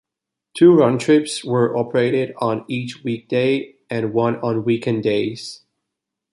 Two round-trips were operated on each weekday and one on weekend days.